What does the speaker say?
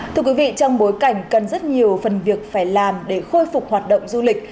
thưa quý vị trong bối cảnh cần rất nhiều phần việc phải làm để khôi phục hoạt động du lịch